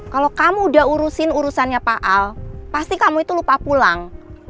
kalau kamu udah urusin urusannya pak al pasti kamu itu lupa pulang